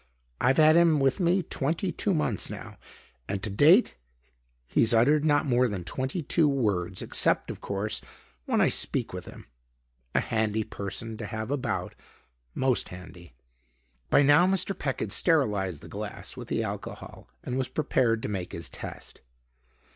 I've had him with me twenty two months now and to date he's uttered not more than twenty two words; except, of course, when I speak with him. A handy person to have about; most handy." By now Mr. Peck had sterilized the glass with the alcohol and was prepared to make his test.